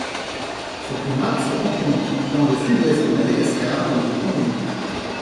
Ce primate se rencontre dans le Sud-Ouest de Madagascar où il est endémique.